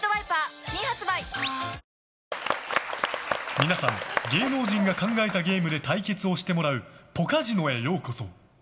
皆さん芸能人が考えたゲームで対決をしてもらうポカジノへようこそ。